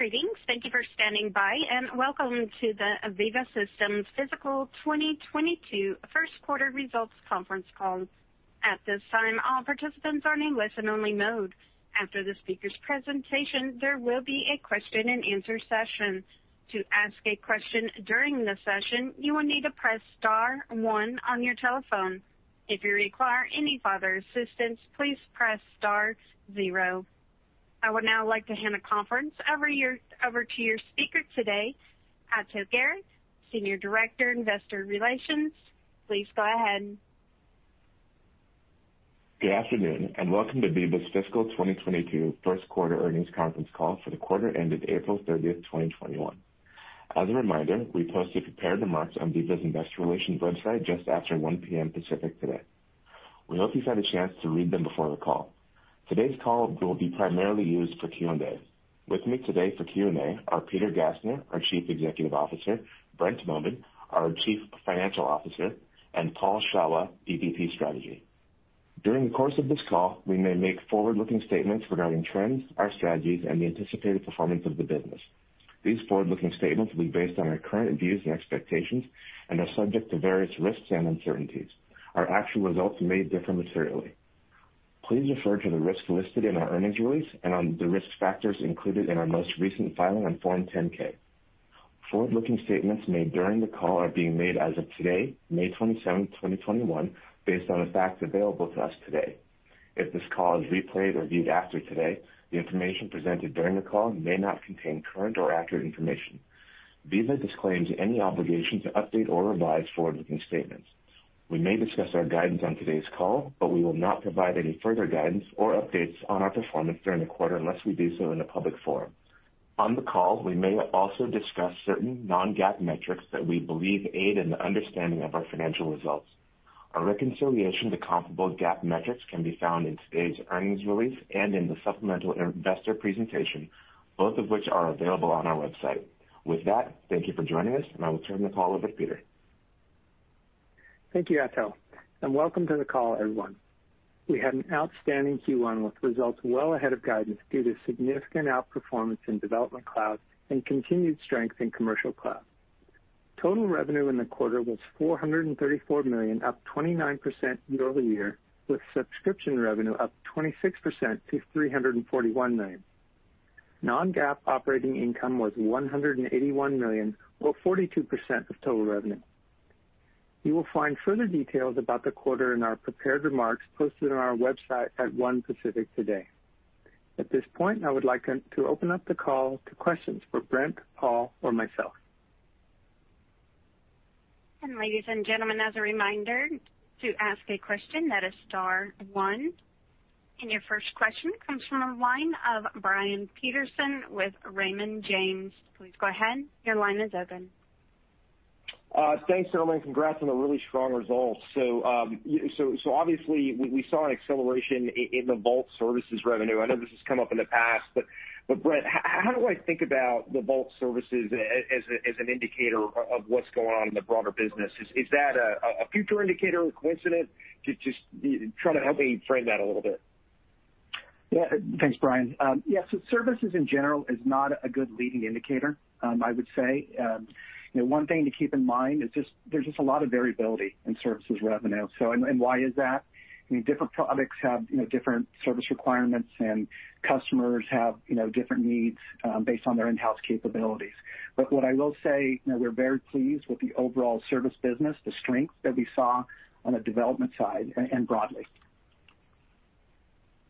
Greetings. Thank you for standing by, and welcome to the Veeva Systems Fiscal 2022 First Quarter Results conference call. At this time, all participants are in listen only mode. After the speaker's presentation, there will be a question and answer session. To ask a question during the session, you will need to press star one on your telephone. If you require any further assistance, please press star zero. I would now like to hand the conference over to your speaker today, Ato Garrett, Senior Director, Investor Relations. Please go ahead. Good afternoon, and welcome to Veeva's fiscal 2022 first quarter earnings conference call for the quarter ended April 30th, 2021. As a reminder, we posted prepared remarks on Veeva's investor relations website just after 1:00 P.M. Pacific today. We hope you've had a chance to read them before the call. Today's call will be primarily used for Q&A. With me today for Q&A are Peter Gassner, our Chief Executive Officer; Brent Bowman, our Chief Financial Officer; and Paul Shawah, EVP, Strategy. During the course of this call, we may make forward-looking statements regarding trends, our strategies, and the anticipated performance of the business. These forward-looking statements will be based on our current views and expectations and are subject to various risks and uncertainties. Our actual results may differ materially. Please refer to the risks listed in our earnings release and on the risk factors included in our most recent filing on Form 10-K. Forward-looking statements made during the call are being made as of today, May 27, 2021, based on the facts available to us today. If this call is replayed or viewed after today, the information presented during the call may not contain current or accurate information. Veeva disclaims any obligation to update or revise forward-looking statements. We may discuss our guidance on today's call, but we will not provide any further guidance or updates on our performance during the quarter unless we do so in a public forum. On the call, we may also discuss certain non-GAAP metrics that we believe aid in the understanding of our financial results. A reconciliation to comparable GAAP metrics can be found in today's earnings release and in the supplemental investor presentation, both of which are available on our website. With that, thank you for joining us, and I will turn the call over to Peter. Thank you, Ato, and welcome to the call, everyone. We had an outstanding Q1 with results well ahead of guidance due to significant outperformance in Development Cloud and continued strength in Commercial Cloud. Total revenue in the quarter was $434 million, up 29% year-over-year, with subscription revenue up 26% to $341 million. Non-GAAP operating income was $181 million, or 42% of total revenue. You will find further details about the quarter in our prepared remarks posted on our website at 1 P.M. Pacific today. At this point, I would like to open up the call to questions for Brent, Paul, or myself. Ladies and gentlemen, as a reminder, to ask a question, that is star one. Your first question comes from the line of Brian Peterson with Raymond James. Please go ahead. Your line is open. Thanks, gentlemen. Congrats on the really strong results. Obviously we saw an acceleration in the Vault services revenue. I know this has come up in the past, but Brent, how do I think about the Vault services as a, as an indicator of what's going on in the broader business? Is that a future indicator or coincident? Just try to help me frame that a little bit. Thanks, Brian. Services in general is not a good leading indicator, I would say. You know, one thing to keep in mind is just there's just a lot of variability in services revenue. Why is that? I mean, different products have, you know, different service requirements, and customers have, you know, different needs based on their in-house capabilities. What I will say, you know, we're very pleased with the overall service business, the strength that we saw on the development side and broadly.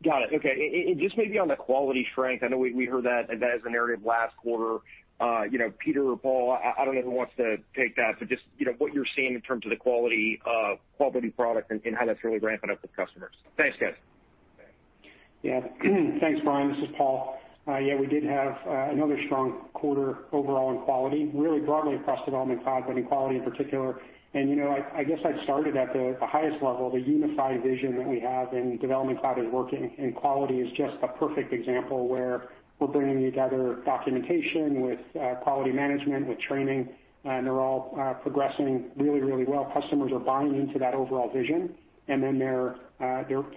Got it. Okay. Just maybe on the quality strength, I know we heard that as a narrative last quarter. You know, Peter or Paul, I don't know who wants to take that, but just, you know, what you're seeing in terms of the quality of quality products and how that's really ramping up with customers. Thanks, guys. Yeah. Thanks, Brian. This is Paul. Yeah, we did have another strong quarter overall in quality, really broadly across Development Cloud, but in quality in particular. You know, I guess I'd start it at the highest level. The unified vision that we have in Development Cloud is working, and quality is just a perfect example where we're bringing together documentation with quality management, with training, and they're all progressing really, really well. Customers are buying into that overall vision, and then they're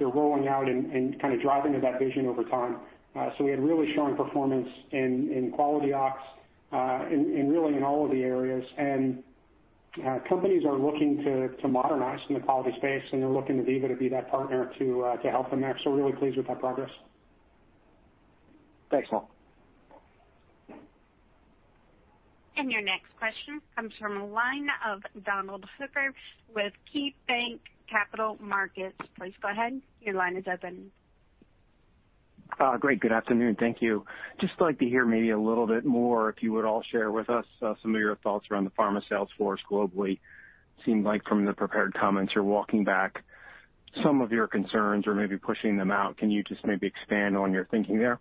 rolling out and kind of driving to that vision over time. We had really strong performance in quality ops, in and really in all of the areas. Companies are looking to modernize in the quality space, and they're looking to Veeva to be that partner to help them there. We're really pleased with that progress. Thanks, Paul. Your next question comes from the line of Donald Hooker with KeyBanc Capital Markets. Please go ahead, your line is open. Great. Good afternoon. Thank you. Just like to hear maybe a little bit more, if you would all share with us, some of your thoughts around the pharma sales force globally. Seemed like from the prepared comments you're walking back some of your concerns or maybe pushing them out. Can you just maybe expand on your thinking there?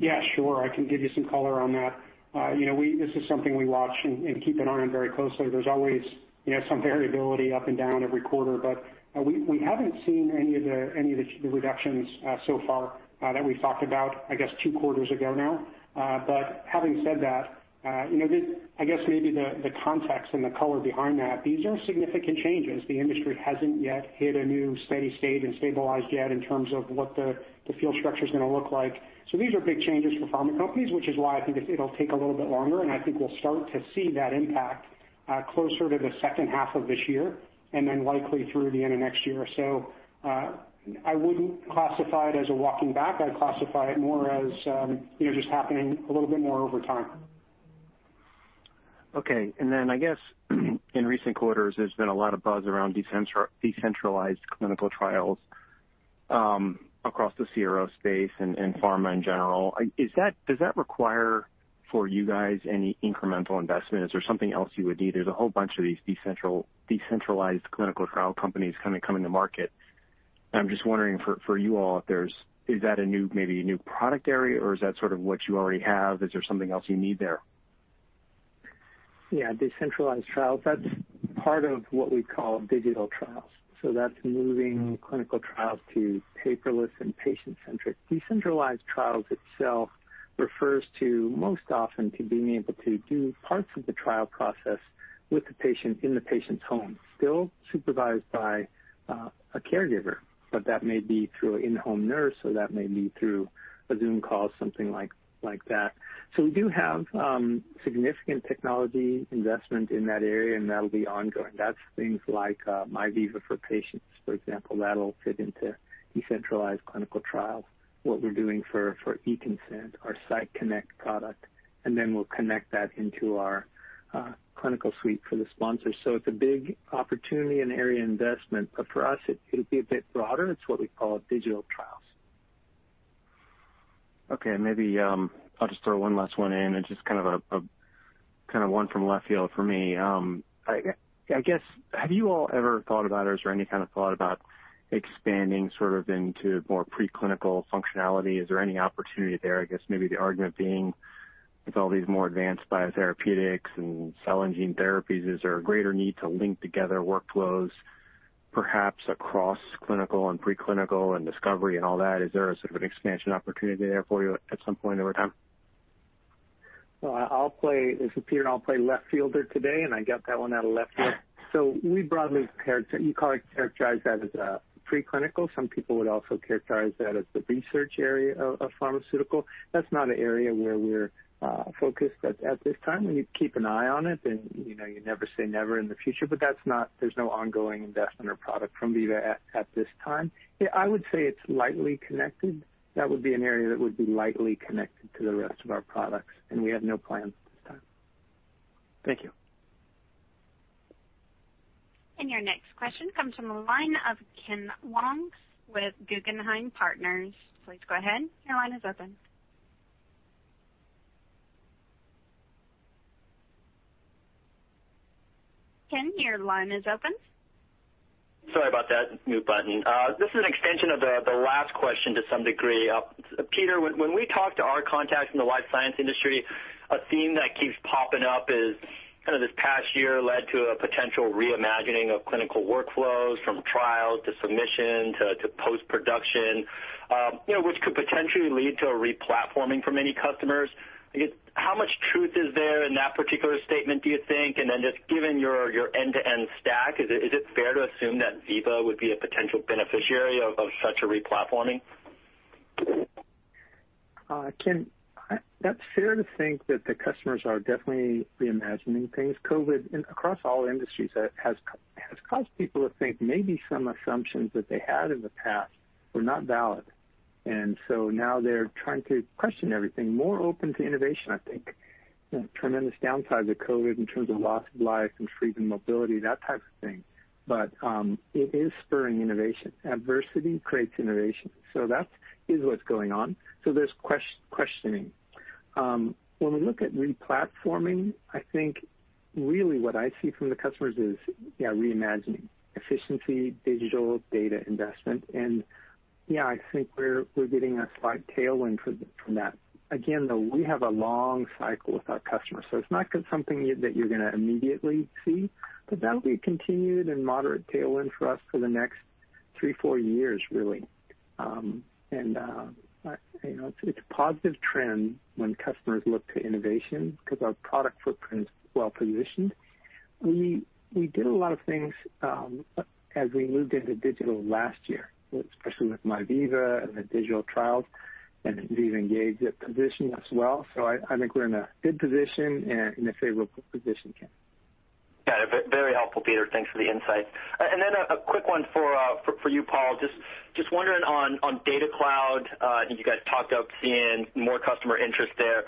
Yeah, sure. I can give you some color on that. you know, this is something we watch and keep an eye on very closely. There's always, you know, some variability up and down every quarter. we haven't seen any of the reductions so far that we've talked about, I guess, two quarters ago now. having said that, you know, I guess maybe the context and the color behind that, these are significant changes. The industry hasn't yet hit a new steady state and stabilized yet in terms of what the field structure is gonna look like. These are big changes for pharma companies, which is why I think it'll take a little bit longer, and I think we'll start to see that impact closer to the second half of this year and then likely through the end of next year. I wouldn't classify it as a walking back. I'd classify it more as, you know, just happening a little bit more over time. Okay. I guess in recent quarters, there's been a lot of buzz around decentralized clinical trials, across the CRO space and pharma in general. Does that require for you guys any incremental investment? Is there something else you would need? There's a whole bunch of these decentralized clinical trial companies kind of coming to market. I'm just wondering for you all if there's Is that a new, maybe a new product area, or is that sort of what you already have? Is there something else you need there? Yeah. Decentralized trials, that's part of what we call digital trials, that's moving clinical trials to paperless and patient-centric. Decentralized trials itself refers to most often to being able to do parts of the trial process with the patient in the patient's home, still supervised by a caregiver, but that may be through an in-home nurse or that may be through a Zoom call, something like that. We do have significant technology investment in that area, and that'll be ongoing. That's things like MyVeeva for Patients, for example. That'll fit into decentralized clinical trials. What we're doing for eConsent, our SiteConnect product, then we'll connect that into our clinical suite for the sponsors. It's a big opportunity and area investment, but for us, it'll be a bit broader. It's what we call digital trials. Okay. Maybe, I'll just throw one last one in and just kind of one from left field for me. I guess, have you all ever thought about or is there any kind of thought about expanding sort of into more preclinical functionality? Is there any opportunity there? I guess maybe the argument being with all these more advanced biotherapeutics and cell and gene therapies, is there a greater need to link together workflows perhaps across clinical and preclinical and discovery and all that? Is there a sort of an expansion opportunity there for you at some point over time? Well, I'll play as Peter, I'll play left fielder today, and I got that one out of left field. We broadly character, you call it, characterize that as a preclinical. Some people would also characterize that as the research area of pharmaceutical. That's not an area where we're focused at this time. We keep an eye on it and, you know, you never say never in the future, but that's not. There's no ongoing investment or product from Veeva at this time. Yeah, I would say it's lightly connected. That would be an area that would be lightly connected to the rest of our products, and we have no plans at this time. Thank you. Your next question comes from the line of Kenneth Wong with Guggenheim Partners. Sorry about that, mute button. This is an extension of the last question to some degree. Peter, when we talk to our contacts in the life science industry, a theme that keeps popping up is kind of this past year led to a potential re-imagining of clinical workflows from trial to submission to post-production, you know, which could potentially lead to a replatforming for many customers. I guess how much truth is there in that particular statement, do you think? Just given your end-to-end stack, is it fair to assume that Veeva would be a potential beneficiary of such a replatforming? Ken, that's fair to think that the customers are definitely reimagining things. COVID in, across all industries has caused people to think maybe some assumptions that they had in the past were not valid. Now they're trying to question everything, more open to innovation, I think. You know, tremendous downsides of COVID in terms of loss of life and freedom, mobility, that type of thing. It is spurring innovation. Adversity creates innovation. That is what's going on. There's questioning. When we look at replatforming, I think really what I see from the customers is, yeah, reimagining efficiency, digital data investment. Yeah, I think we're getting a slight tailwind from that. Again, though, we have a long cycle with our customers, so it's not gonna something that you're gonna immediately see, but that'll be a continued and moderate tailwind for us for the next three, four years, really. I, you know, it's a positive trend when customers look to innovation because our product footprint is well-positioned. We did a lot of things as we moved into digital last year, especially with MyVeeva and the digital trials and Veeva Engage, that position as well. I think we're in a good position and in a favorable position, Ken. Got it. Very helpful, Peter. Thanks for the insights. Then a quick one for you, Paul. Just wondering on Data Cloud, I think you guys talked about seeing more customer interest there.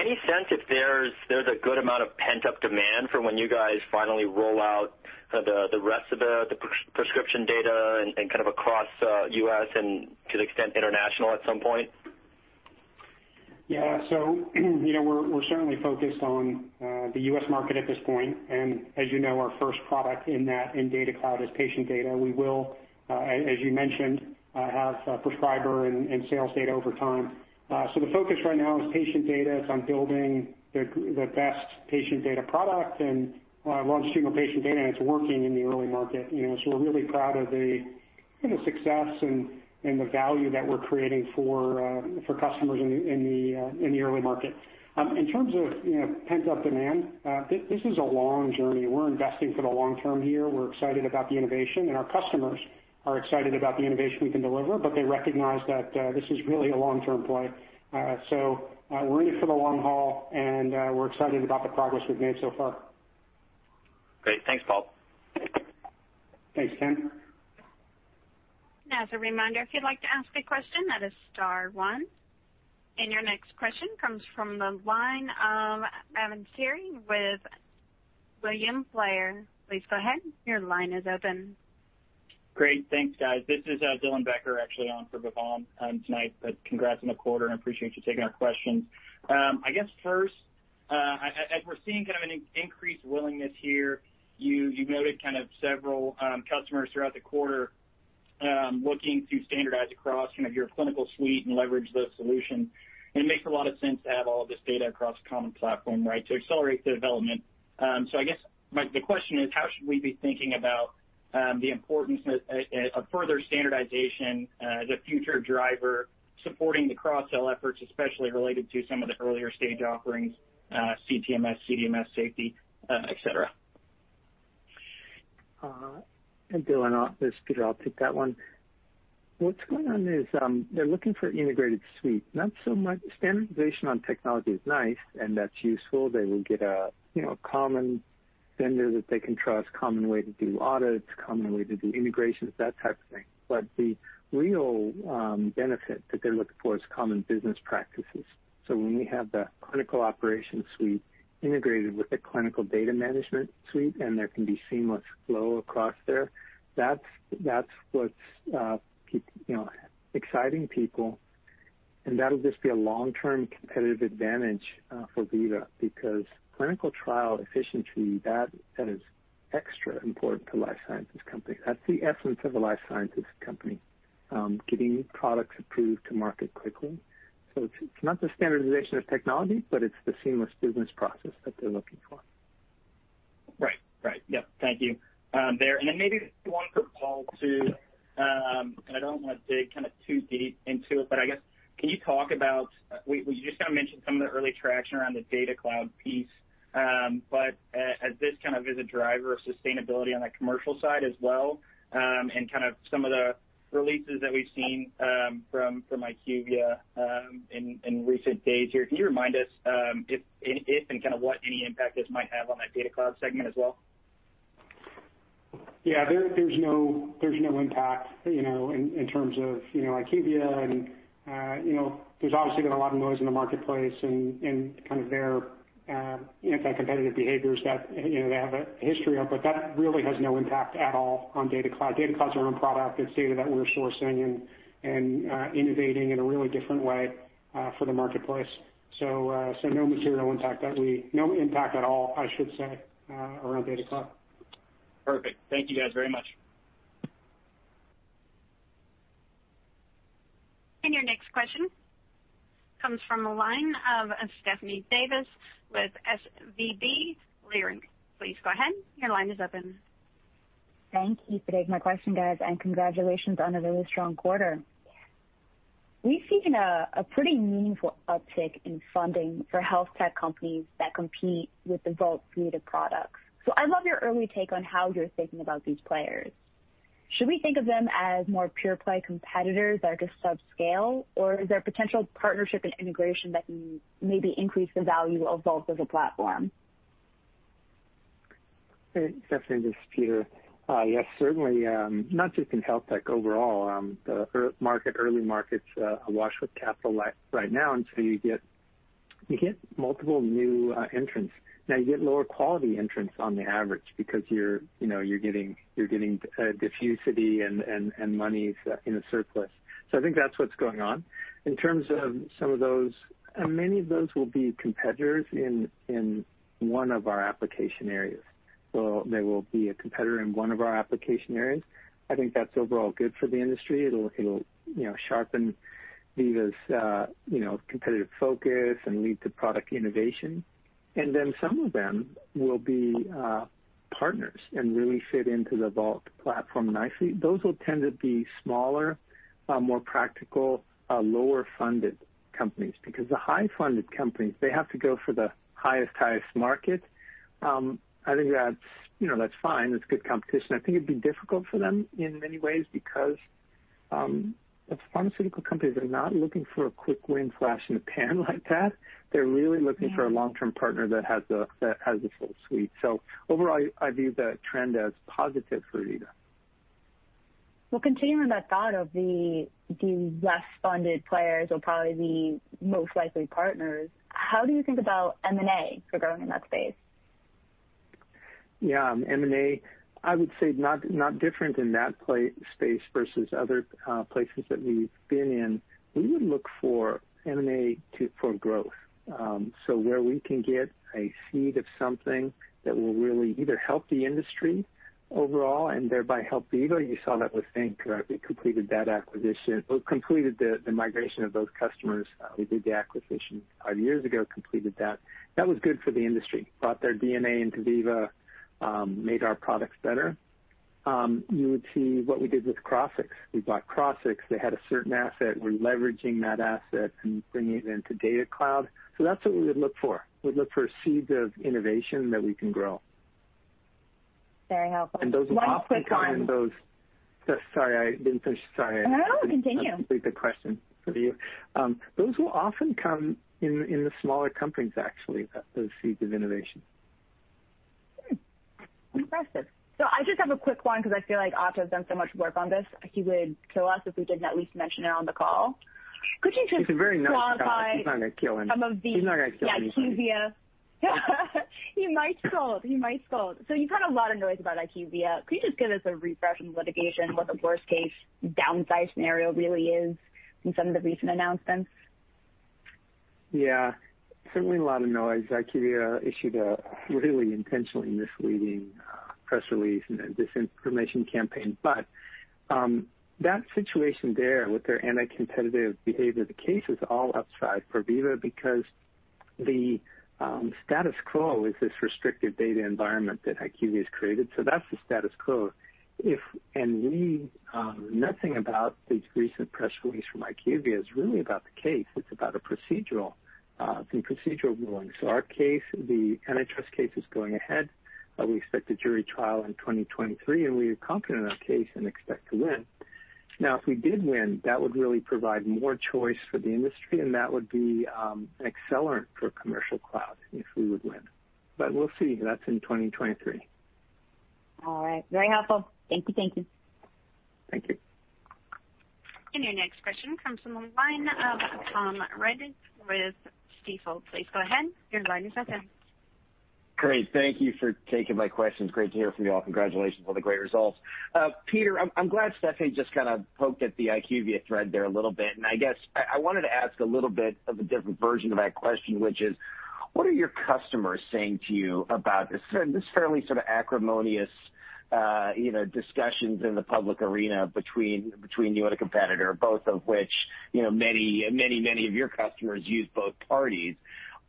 Any sense if there's a good amount of pent-up demand for when you guys finally roll out the rest of the prescription data and kind of across U.S. and to the extent international at some point? You know, we're certainly focused on the U.S. market at this point. As you know, our first product in Data Cloud is patient data. We will, as you mentioned, have prescriber and sales data over time. The focus right now is patient data. It's on building the best patient data product and launching more patient data, and it's working in the early market, you know. We're really proud of the, you know, success and the value that we're creating for customers in the early market. In terms of, you know, pent-up demand, this is a long journey. We're investing for the long-term here. We're excited about the innovation, and our customers are excited about the innovation we can deliver, but they recognize that this is really a long-term play. We're in it for the long haul, and we're excited about the progress we've made so far. Great. Thanks, Paul. Thanks, Ken. As a reminder, if you'd like to ask a question, that is star one. Your next question comes from the line of Evan Siddall with William Blair. Please go ahead, your line is open. Great. Thanks, guys. This is Dylan Becker, actually on for Bhavan tonight. Congrats on the quarter and appreciate you taking our questions. I guess first, as we're seeing kind of an increased willingness here, you noted kind of several customers throughout the quarter, looking to standardize across kind of your clinical suite and leverage those solutions. It makes a lot of sense to have all this data across a common platform, right, to accelerate the development. I guess the question is, how should we be thinking about the importance of a further standardization as a future driver supporting the cross-sell efforts, especially related to some of the earlier stage offerings, CTMS, CDMS, Safety, etc? Hey, Dylan. This is Peter. I'll take that one. What's going on is, they're looking for integrated suite, not so much standardization on technology is nice, and that's useful. They will get a, you know, common vendor that they can trust, common way to do audits, common way to do integrations, that type of thing. The real benefit that they're looking for is common business practices. When we have the clinical operations suite integrated with the clinical data management suite, and there can be seamless flow across there, that's what's, you know, exciting people, and that'll just be a long-term competitive advantage for Veeva because clinical trial efficiency, that is extra important to life sciences company. That's the essence of a life sciences company, getting products approved to market quickly. It's not the standardization of technology, but it's the seamless business process that they're looking for. Right. Right. Yep. Thank you there. Then maybe one for Paul too. I don't want to dig kind of too deep into it, but I guess can you talk about, we just kind of mentioned some of the early traction around the Data Cloud piece. As this kind of is a driver of sustainability on the commercial side as well, kind of some of the releases that we've seen from IQVIA in recent days here. Can you remind us if and kind of what any impact this might have on that Data Cloud segment as well? Yeah. There's no impact, you know, in terms of, you know, IQVIA and, you know, there's obviously been a lot of noise in the marketplace and kind of their anti-competitive behaviors that, you know, they have a history of, that really has no impact at all on Data Cloud. Data Cloud's our own product. It's data that we're sourcing and innovating in a really different way for the marketplace. No material impact, no impact at all, I should say, around Data Cloud. Perfect. Thank you, guys, very much. Your next question comes from the line of Stephanie Davis with SVB Leerink. Please go ahead. Your line is open. Thank you for taking my question, guys, and congratulations on a really strong quarter. We've seen a pretty meaningful uptick in funding for health tech companies that compete with the Veeva Vault suite of products. I'd love your early take on how you're thinking about these players. Should we think of them as more pure play competitors that are just subscale, or is there potential partnership and integration that can maybe increase the value of Veeva Vault as a platform? Hey, Stephanie, this is Peter. Yes, certainly, not just in health tech overall, early markets are awash with capital right now, and so you get multiple new entrants. Now, you get lower quality entrants on the average because you're, you know, you're getting liquidity and money's in a surplus. I think that's what's going on. In terms of some of those, many of those will be competitors in one of our application areas. They will be a competitor in one of our application areas. I think that's overall good for the industry. It'll, you know, sharpen Veeva's, you know, competitive focus and lead to product innovation. Then some of them will be partners and really fit into the Vault platform nicely. Those will tend to be smaller, more practical, lower-funded companies because the high-funded companies, they have to go for the highest market. I think that's, you know, that's fine. That's good competition. I think it'd be difficult for them in many ways because the pharmaceutical companies are not looking for a quick win flash in the pan like that. They're really looking for a long-term partner that has the Full Suite. Overall, I view the trend as positive for Veeva. Continuing that thought of the less funded players will probably be most likely partners, how do you think about M&A for growing in that space? Yeah, M&A, I would say not different in that space versus other places that we've been in. We would look for M&A for growth. Where we can get a seed of something that will really either help the industry overall and thereby help Veeva. You saw that with Zinc. We completed that acquisition. Well, completed the migration of those customers. We did the acquisition five years ago, completed that. That was good for the industry. Brought their DNA into Veeva, made our products better. You would see what we did with Crossix. We bought Crossix. They had a certain asset. We're leveraging that asset and bringing it into Data Cloud. That's what we would look for. We'd look for a seed of innovation that we can grow. Very helpful. Those often. One quick one. Sorry, I didn't finish. Sorry. No, continue. Let me complete the question for you. Those will often come in the smaller companies, actually, those seeds of innovation. Impressive. I just have a quick one because I feel like Ato's done so much work on this, he would kill us if we didn't at least mention it on the call. He's a very nice guy. He's not gonna kill anyone. Some of the IQVIA. He might scold. You've had a lot of noise about IQVIA. Could you just give us a refresh on litigation, what the worst-case downside scenario really is from some of the recent announcements? Yeah, certainly a lot of noise. IQVIA issued a really intentionally misleading press release and a disinformation campaign. That situation there with their anti-competitive behavior, the case is all upside for Veeva because the status quo is this restricted data environment that IQVIA has created, so that's the status quo. Nothing about this recent press release from IQVIA is really about the case, it's about a procedural, some procedural rulings. Our case, the antitrust case is going ahead. We expect a jury trial in 2023, and we are confident in our case and expect to win. Now, if we did win, that would really provide more choice for the industry, and that would be an accelerant for Commercial Cloud if we would win. We'll see. That's in 2023. All right. Very helpful. Thank you. Thank you. Thank you. Your next question comes from the line of Tom Roderick with Stifel. Please go ahead. Your line is open. Great. Thank you for taking my questions. Great to hear from you all. Congratulations on the great results. Peter, I'm glad Stephanie just kind of poked at the IQVIA thread there a little bit, and I guess I wanted to ask a little bit of a different version of that question, which is, what are your customers saying to you about this fairly sort of acrimonious, you know, discussions in the public arena between you and a competitor, both of which, you know, many, many, many of your customers use both parties.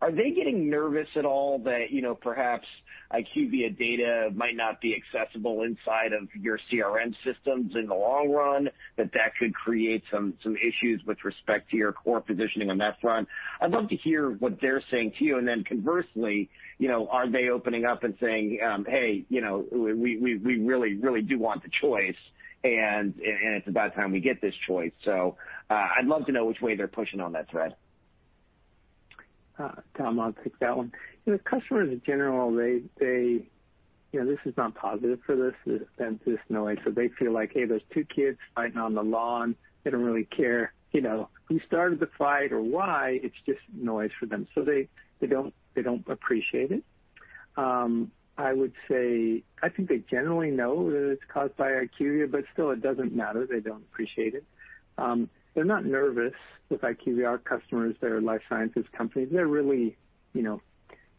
Are they getting nervous at all that, you know, perhaps IQVIA data might not be accessible inside of your CRM systems in the long run, that that could create some issues with respect to your core positioning on that front? I'd love to hear what they're saying to you. Conversely, you know, are they opening up and saying, "Hey, you know, we really do want the choice and it's about time we get this choice." I'd love to know which way they're pushing on that thread. Tom, I'll take that one. You know, customers in general, they, you know, this is not positive for this noise. They feel like, "Hey, there's two kids fighting on the lawn." They don't really care, you know, who started the fight or why. It's just noise for them. They don't appreciate it. I would say I think they generally know that it's caused by IQVIA, still it doesn't matter. They don't appreciate it. They're not nervous with IQVIA. Our customers, they're life sciences companies. They're really, you know,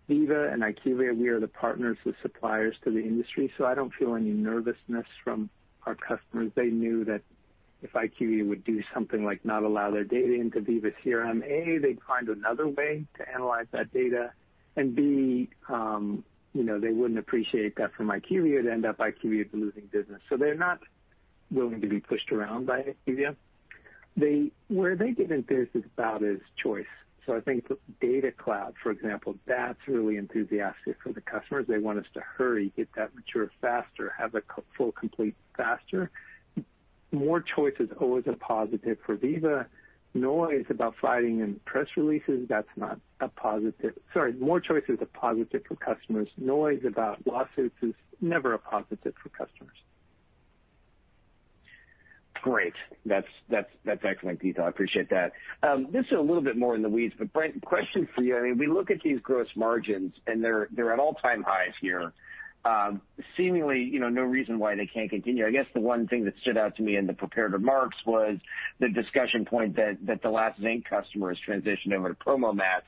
Veeva and IQVIA, we are the partners with suppliers to the industry, I don't feel any nervousness from our customers. They knew that if IQVIA would do something like not allow their data into Veeva CRM, A, they'd find another way to analyze that data and, B, you know, they wouldn't appreciate that from IQVIA, it'd end up IQVIA losing business. They're not willing to be pushed around by IQVIA. Where they get embarrassed about is choice. I think Data Cloud, for example, that's really enthusiastic for the customers. They want us to hurry, get that mature faster, have a full complete faster. More choice is always a positive for Veeva. Noise about fighting in press releases, that's not a positive. Sorry. More choice is a positive for customers. Noise about lawsuits is never a positive for customers. Great. That's excellent detail. I appreciate that. This is a little bit more in the weeds, but Brent, question for you. I mean, we look at these gross margins, and they're at all-time highs here. Seemingly, you know, no reason why they can't continue. I guess the one thing that stood out to me in the prepared remarks was the discussion point that the last Zinc customer has transitioned over to PromoMats,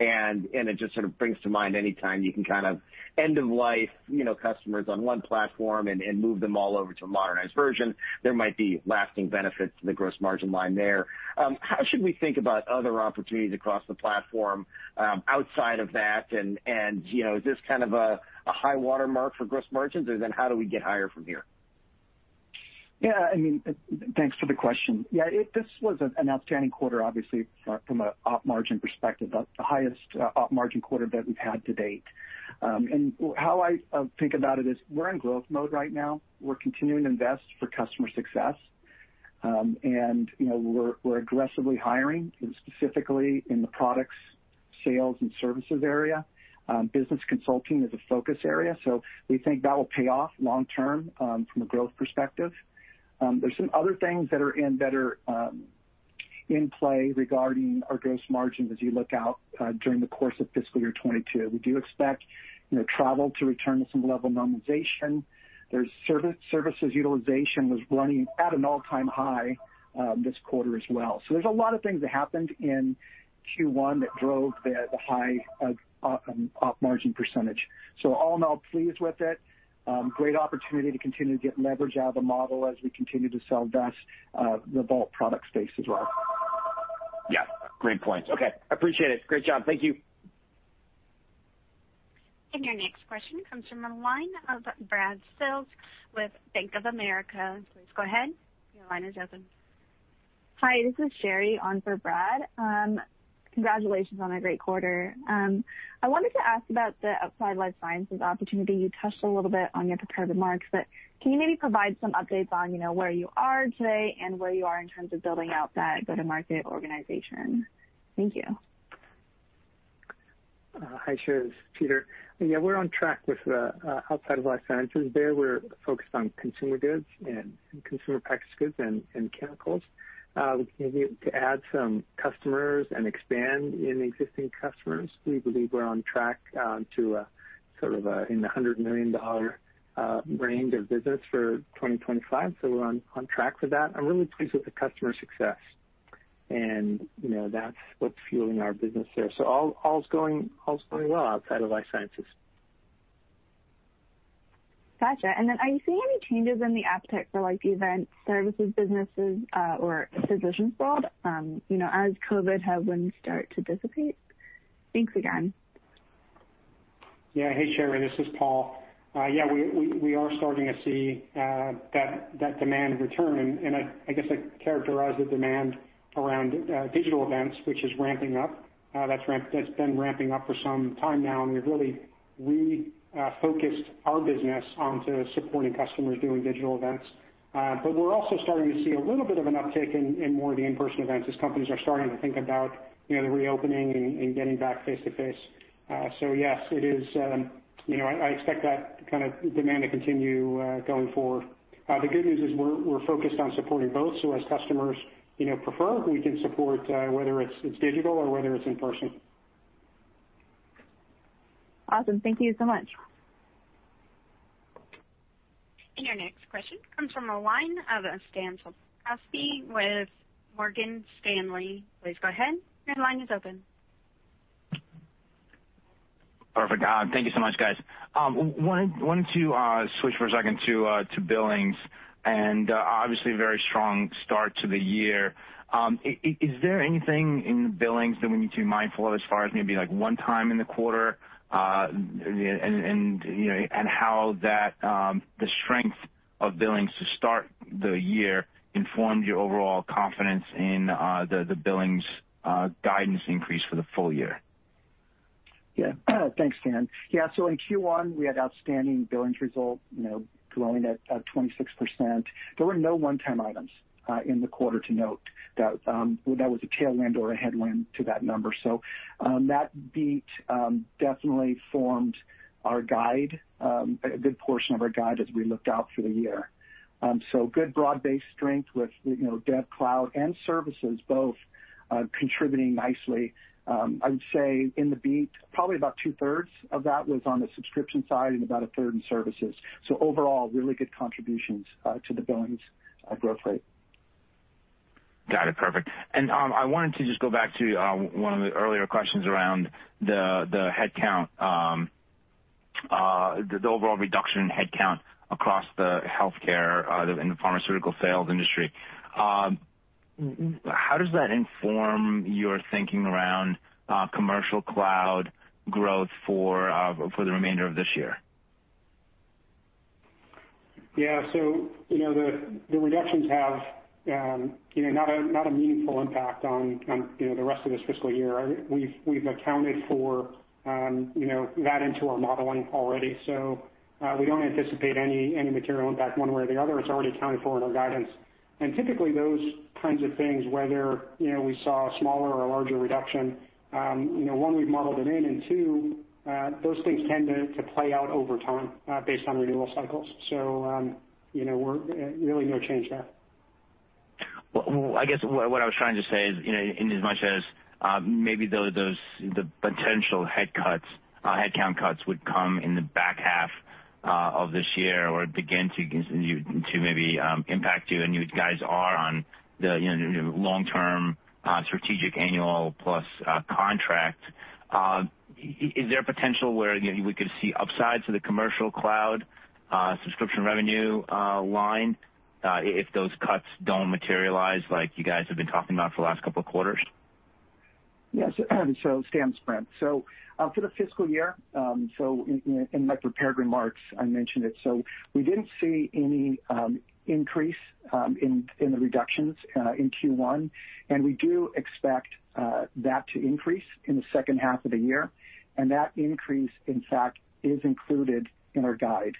and it just sort of brings to mind any time you can kind of end of life, you know, customers on one platform and move them all over to a modernized version, there might be lasting benefits to the gross margin line there. How should we think about other opportunities across the platform, outside of that? You know, is this kind of a high water mark for gross margins? Then how do we get higher from here? I mean, thanks for the question. This was an outstanding quarter, obviously, from an op margin perspective, the highest op margin quarter that we've had to date. How I think about it is we're in growth mode right now. We're continuing to invest for customer success. You know, we're aggressively hiring, and specifically in the products, sales, and services area. Business consulting is a focus area, so we think that will pay off long-term, from a growth perspective. There's some other things that are in better. In play regarding our gross margins as you look out during the course of fiscal year 2022. We do expect, you know, travel to return to some level of normalization. Services utilization was running at an all-time high this quarter as well. There's a lot of things that happened in Q1 that drove the high op-margin percentage. All in all, pleased with it. Great opportunity to continue to get leverage out of the model as we continue to sell desk the Vault product space as well. Yeah, great points. Okay, appreciate it. Great job. Thank you. Your next question comes from the line of Brad Sills with Bank of America. Please go ahead, your line is open. Hi, this is Sherry on for Brad. Congratulations on a great quarter. I wanted to ask about the outside life sciences opportunity. You touched a little bit on your prepared remarks, but can you maybe provide some updates on, you know, where you are today and where you are in terms of building out that go-to-market organization? Thank you. Hi Sherry, this is Peter. Yeah, we're on track with the outside of life sciences. There we're focused on consumer goods and consumer packaged goods and chemicals. We continue to add some customers and expand in existing customers. We believe we're on track to a sort of in the $100 million range of business for 2025, so we're on track for that. I'm really pleased with the customer success and, you know, that's what's fueling our business there. All's going well outside of life sciences. Gotcha. Are you seeing any changes in the appetite for, like, the event services businesses, or Physicians World, you know, as COVID headwinds start to dissipate? Thanks again. Hey, Sherry, this is Paul. Yeah, we are starting to see that demand return, and I guess I'd characterize the demand around digital events, which is ramping up. That's been ramping up for some time now, and we've really refocused our business onto supporting customers doing digital events. We're also starting to see a little bit of an uptick in more of the in-person events as companies are starting to think about, you know, the reopening and getting back face-to-face. Yes, it is, you know, I expect that kind of demand to continue going forward. The good news is we're focused on supporting both, as customers, you know, prefer, we can support whether it's digital or whether it's in person. Awesome. Thank you so much. Your next question comes from the line of Stan Berenshteyn with Morgan Stanley. Please go ahead, your line is open. Perfect. Thank you so much, guys. Wanted to switch for a second to billings and obviously a very strong start to the year. Is there anything in billings that we need to be mindful of as far as maybe, like, one time in the quarter, and you know, how that the strength of billings to start the year informed your overall confidence in the billings guidance increase for the full year? Thanks, Stan. In Q1 we had outstanding billings result, you know, growing at 26%. There were no one-time items in the quarter to note that that was a tailwind or a headwind to that number. That beat definitely formed our guide, a good portion of our guide as we looked out for the year. Good broad-based strength with, you know, Dev Cloud and services both contributing nicely. I would say in the beat, probably about 2/3 of that was on the subscription side and about a third in services. Overall, really good contributions to the billings growth rate. Got it. Perfect. I wanted to just go back to one of the earlier questions around the headcount, the overall reduction in headcount across the healthcare, in the pharmaceutical sales industry. How does that inform your thinking around Commercial Cloud growth for the remainder of this year? Yeah. You know, the reductions have, you know, not a meaningful impact on, you know, the rest of this fiscal year. I mean, we've accounted for, you know, that into our modeling already, so, we don't anticipate any material impact one way or the other. It's already accounted for in our guidance. Typically those kinds of things, whether, you know, we saw a smaller or a larger reduction, you know, one, we've modeled it in, and two, those things tend to play out over time, based on renewal cycles. You know, we're really no change there. Well, I guess what I was trying to say is, you know, inasmuch as, maybe those, the potential head cuts, headcount cuts would come in the back half of this year or begin to maybe impact you, and you guys are on the, you know, long-term, strategic annual plus contract. Is there potential where, you know, we could see upsides to the Commercial Cloud, subscription revenue, line, if those cuts don't materialize like you guys have been talking about for the last couple of quarters? Yes. Stan, it's Brent. For the fiscal year, in my prepared remarks, I mentioned it. We didn't see any increase in the reductions in Q1. We do expect that to increase in the second half of the year. That increase, in fact, is included in our guide.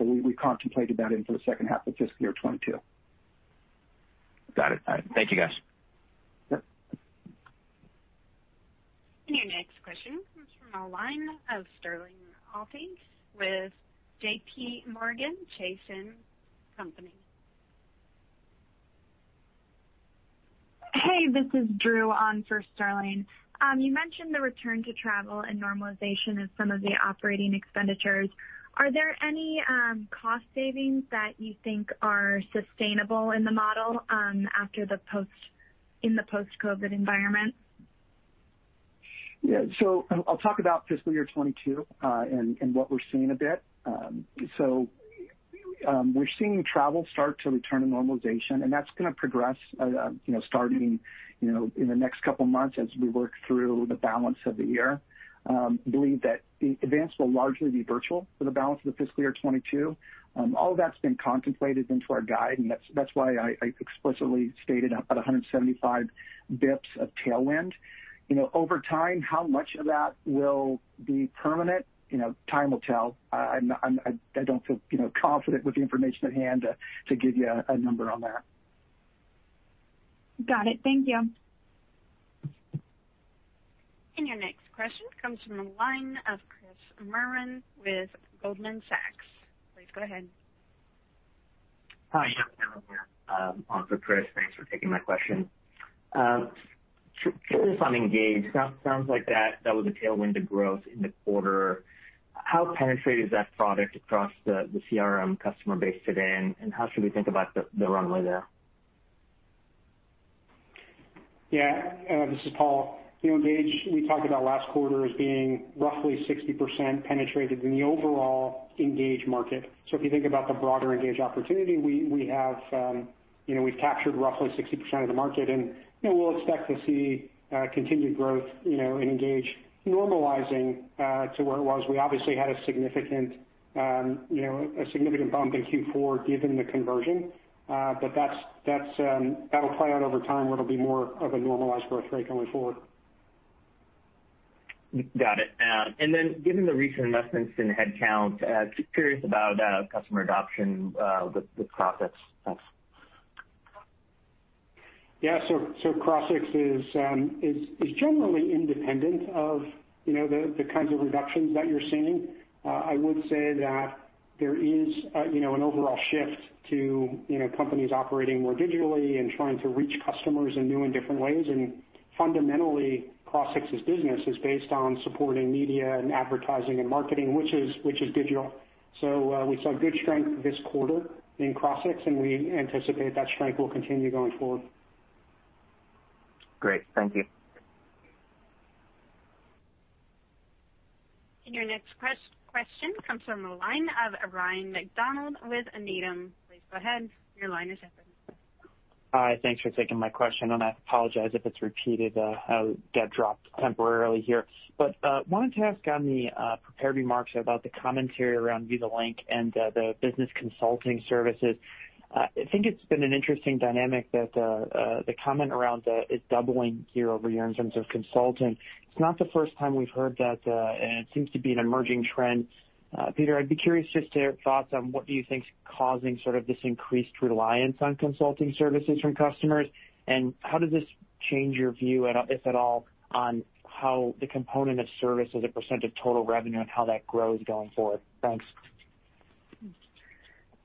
We contemplated that in for the second half of fiscal year 2022. Got it. All right. Thank you, guys. Yep. Your next question comes from the line of Sterling Auty with JPMorgan Chase & Co. Hey, this is Drew on for Sterling. You mentioned the return to travel and normalization of some of the operating expenditures. Are there any cost savings that you think are sustainable in the model in the post-COVID environment? I'll talk about fiscal year 2022, and what we're seeing a bit. We're seeing travel start to return to normalization, and that's gonna progress, you know, starting, you know, in the next couple months as we work through the balance of the year. Believe that the events will largely be virtual for the balance of the fiscal year 2022. All of that's been contemplated into our guide, and that's why I explicitly stated about 175 basis points of tailwind. You know, over time, how much of that will be permanent, you know, time will tell. I don't feel, you know, confident with the information at hand to give you a number on that. Got it. Thank you. Your next question comes from the line of Chris Merwin with Goldman Sachs. Please go ahead. Hi, yeah. [inaudible] on for Chris. Thanks for taking my question. Just on Engage, sounds like that was a tailwind to growth in the quarter. How penetrated is that product across the CRM customer base today, and how should we think about the runway there? Yeah. This is Paul. You know, Engage, we talked about last quarter as being roughly 60% penetrated in the overall Engage market. If you think about the broader Engage opportunity, we have, you know, we've captured roughly 60% of the market. You know, we'll expect to see continued growth, you know, in Engage normalizing to where it was. We obviously had a significant, you know, a significant bump in Q4, given the conversion. That'll play out over time, where it'll be more of a normalized growth rate going forward. Got it. Then given the recent investments in headcount, curious about customer adoption, with Veeva Crossix. Thanks. Yeah. Crossix is generally independent of, you know, the kinds of reductions that you're seeing. I would say that there is, you know, an overall shift to, you know, companies operating more digitally and trying to reach customers in new and different ways. Fundamentally, Crossix's business is based on supporting media and advertising and marketing, which is digital. We saw good strength this quarter in Crossix, and we anticipate that strength will continue going forward. Great. Thank you. Your next question comes from the line of Ryan MacDonald with Needham. Please go ahead, your line is open. Hi, thanks for taking my question, and I apologize if it's repeated. I got dropped temporarily here. Wanted to ask on the prepared remarks about the commentary around Veeva Link and the business consulting services. I think it's been an interesting dynamic that the comment around the, it doubling year-over-year in terms of consulting. It's not the first time we've heard that, and it seems to be an emerging trend. Peter, I'd be curious just your thoughts on what you think is causing sort of this increased reliance on consulting services from customers, and how does this change your view, if at all, on how the component of service as a percent of total revenue and how that grows going forward? Thanks.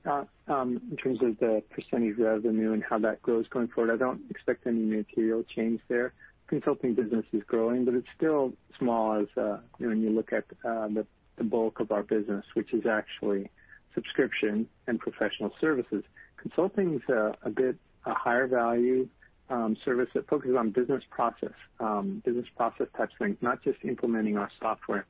In terms of the percentage revenue and how that grows going forward, I don't expect any material change there. Consulting business is growing, but it's still small as, you know, when you look at the bulk of our business, which is actually subscription and professional services. Consulting's a bit higher value service that focuses on business process, business process touch points, not just implementing our software.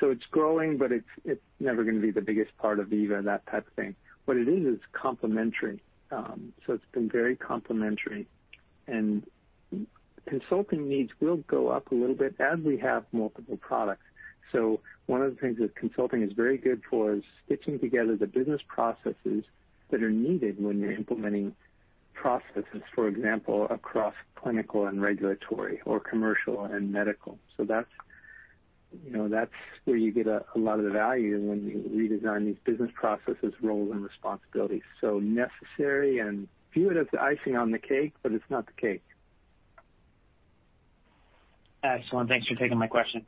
So it's growing, but it's never gonna be the biggest part of Veeva and that type of thing. What it is is complementary. So it's been very complementary. Consulting needs will go up a little bit as we have multiple products. One of the things that consulting is very good for is stitching together the business processes that are needed when you're implementing processes, for example, across clinical and regulatory or commercial and medical. That's, you know, that's where you get a lot of the value when you redesign these business processes, roles, and responsibilities. Necessary, and view it as the icing on the cake, but it's not the cake. Excellent. Thanks for taking my question.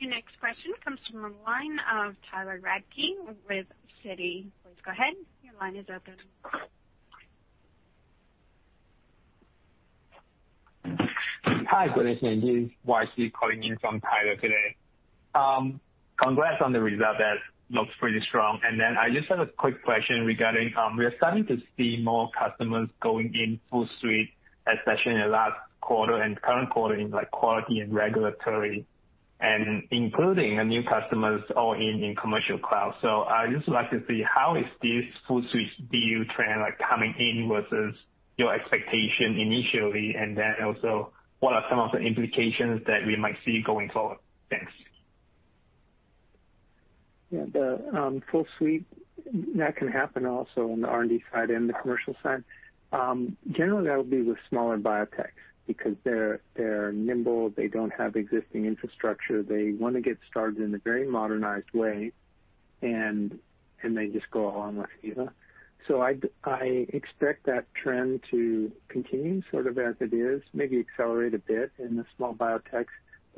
Your next question comes from the line of Tyler Radke with Citi. Please go ahead, your line is open. Hi, good afternoon. This is YC calling in from Tyler today. Congrats on the result. That looks pretty strong. I just have a quick question regarding, we are starting to see more customers going in Full Suite, especially in the last quarter and current quarter in, like, quality and regulatory, and including the new customers all in Commercial Cloud. I'd just like to see how is this Full Suite deal trend, like, coming in versus your expectation initially, also what are some of the implications that we might see going forward? Thanks. Yeah. The Full Suite, that can happen also on the R&D side and the commercial side. Generally that would be with smaller biotechs because they're nimble, they don't have existing infrastructure, they wanna get started in a very modernized way, and they just go all in with Veeva. I expect that trend to continue sort of as it is, maybe accelerate a bit in the small biotechs.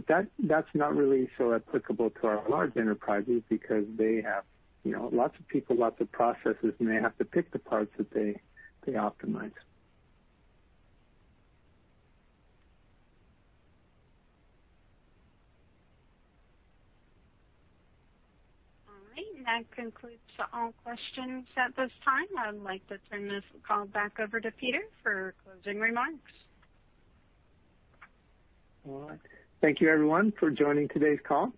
That's not really so applicable to our large enterprises because they have, you know, lots of people, lots of processes, and they have to pick the parts that they optimize. All right, that concludes all questions at this time. I would like to turn this call back over to Peter for closing remarks. All right. Thank you everyone for joining today's call.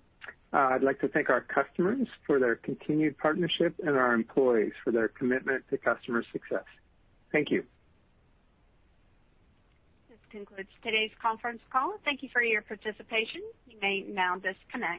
I'd like to thank our customers for their continued partnership and our employees for their commitment to customer success. Thank you. This concludes today's conference call. Thank you for your participation. You may now disconnect.